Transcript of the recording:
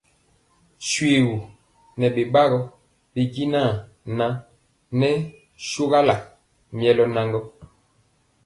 Shoégu nɛ bɛbagɔ bijinan nɛ shogala milœ nan.